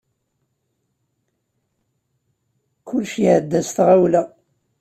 Kullec iɛedda s tɣawla.